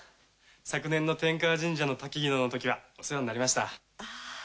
昨年の天河神社の薪能のときはお世話になりました。